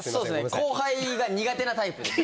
後輩が苦手なタイプ。